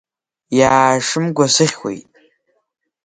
Иаа, шымгәа шыхьуеит!